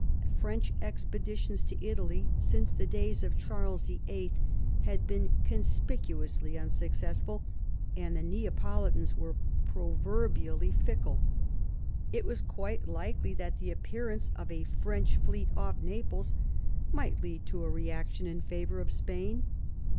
French expeditions to Italy since the days of Charles VIII. had been conspicuously unsuccess ful, and the Neapolitans were proverbially fickle. It was quite likely that the appearance of a French fleet off Naples might lead to a reaction in favour of Spain.